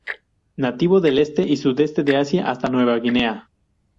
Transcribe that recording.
Nativo del este y sudeste de Asia hasta Nueva Guinea.